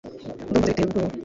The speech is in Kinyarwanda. Ndumva rwose biteye ubwoba